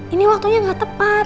ini waktunya nggak tepat